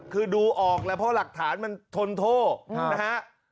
คือดูออกแล้วเพราะหลักฐานมันทนโทษนะฮะ